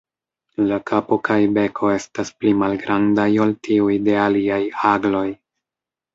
La kapo kaj beko estas pli malgrandaj ol tiuj de aliaj agloj.